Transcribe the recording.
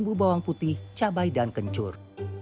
bumbu bawang putih cabai dan kencur